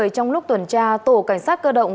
trong lúc tuần tra tổ cảnh sát cơ động